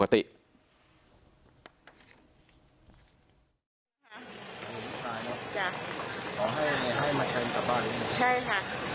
ขอให้ให้มาเชิญกลับบ้านใช่ค่ะเป็นลักษณะไหนครับ